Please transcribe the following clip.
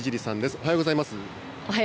おはようございます。